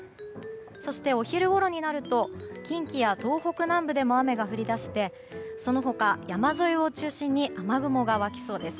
そしてお昼ごろになると近畿や東北南部でも雨が降り出しその他、山沿いを中心に雨雲が湧きそうです。